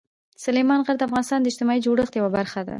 سلیمان غر د افغانستان د اجتماعي جوړښت یوه برخه ده.